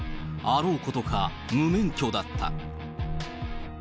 あろうことか無免許だった。